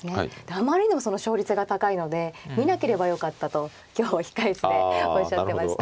あまりにも勝率が高いので見なければよかったと今日控え室でおっしゃってました。